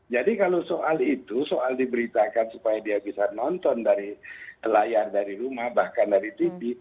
jadi kalau soal itu soal diberitakan supaya dia bisa nonton dari layar dari rumah bahkan dari tv